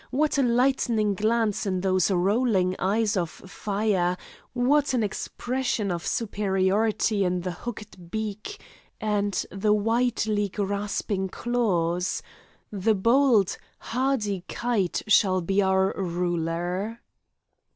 What a lightning glance in those rolling eyes of fire, what an expression of superiority in the hooked beak, and the widely grasping claws! The bold, hardy kite shall be our ruler.